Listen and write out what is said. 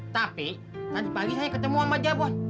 tapi tadi pagi saya ketemu sama dia bu